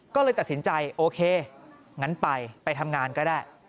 ก็เลยตัดสินใจโอเคงั้นไปไปทำงานก็ได้